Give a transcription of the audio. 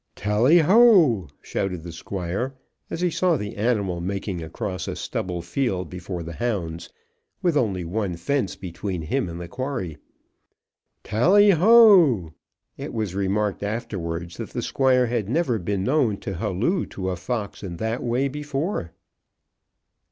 "Tally ho!" shouted the Squire, as he saw the animal making across a stubble field before the hounds, with only one fence between him and the quarry. "Tally ho!" It was remarked afterwards that the Squire had never been known to halloo to a fox in that way before.